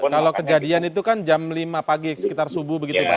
kalau kejadian itu kan jam lima pagi sekitar subuh begitu pak